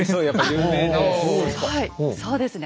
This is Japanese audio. そうですね。